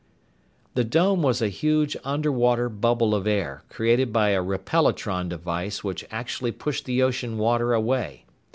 The dome was a huge underwater bubble of air, created by a repelatron device which actually pushed the ocean water away.